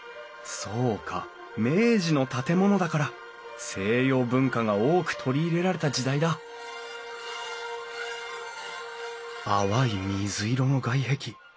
そうか明治の建物だから西洋文化が多く取り入れられた時代だ淡い水色の外壁。